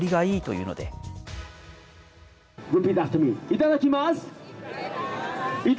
いただきます。